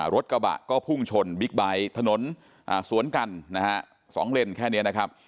รถกระปะก็พุ่งชนบิ๊กไบท์ถนนสวนกัน๒เลนค่อนขึ้นแค่นี้